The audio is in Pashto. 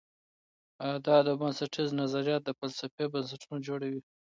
اعداد او بنسټیز نظریات د فلسفې بنسټونه جوړوي.